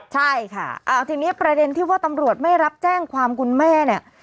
ใช่ค่ะทีนี้ประเด็นที่ว่าตำรวจไม่รับแจ้งความคุณแม่เนี่ย